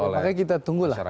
makanya kita tunggu lah